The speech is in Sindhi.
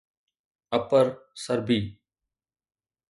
اپر سربي